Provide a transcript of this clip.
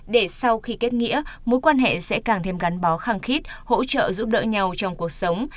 để sau khi kết nghĩa mối quan hệ sẽ càng thêm gắn bó khăng khít hỗ trợ giúp đỡ nhau trong cuộc sống